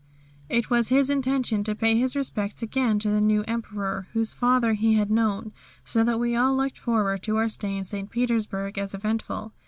It was his intention to pay his respects again to the new Emperor, whose father he had known, so that we looked forward to our stay in St. Petersburg as eventful.